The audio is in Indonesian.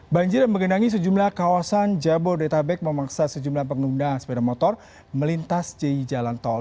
banjir yang menggenangi sejumlah kawasan jabodetabek memaksa sejumlah pengguna sepeda motor melintas di jalan tol